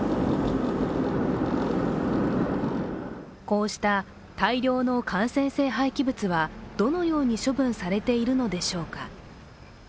こうした大量の感染性廃棄物はどのように処分されているのでしょうか。